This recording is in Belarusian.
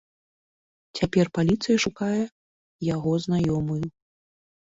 Цяпер паліцыя шукае яго знаёмую.